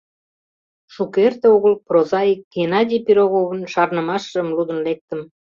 Шукерте огыл прозаик Геннадий Пироговын шарнымашыжым лудын лектым.